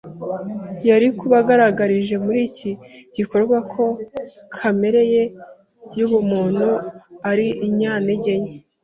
yari kuba agaragarije muri iki gikorwa ko kamere ye y’ubumuntu ari inyantege nke.